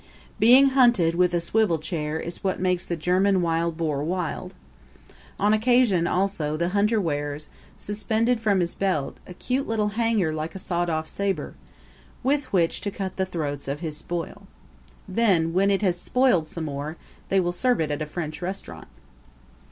Being hunted with a swivel chair is what makes the German wild boar wild. On occasion, also, the hunter wears, suspended from his belt, a cute little hanger like a sawed off saber, with which to cut the throats of his spoil. Then, when it has spoiled some more, they will serve it at a French restaurant.